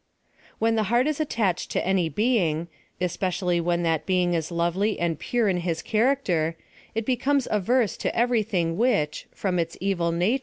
When the heart is attached to any being, espe cially when that being is lovely and pure in his character, it becomes averse to every thing which, from its evil nat.